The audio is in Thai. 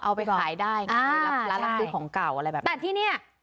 เอาไปขายได้ไงร้านรับซื้อของเก่าอะไรแบบนี้แต่ที่เนี้ย